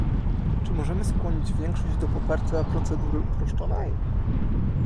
Czy możemy skłonić większość do poparcia procedury uproszczonej?